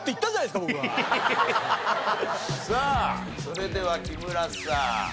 さあそれでは木村さん。